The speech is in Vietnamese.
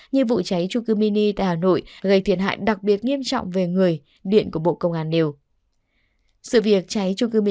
như vụ cháy trung cư mini tại hà nội gây thiệt hại đặc biệt nghiêm trọng về người điện của bộ công an đều